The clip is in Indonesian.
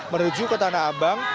menuju ke tanah abang